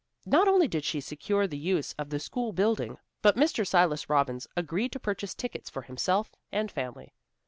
Not only did she secure the use of the school building, but Mr. Silas Robbins agreed to purchase tickets for himself and family.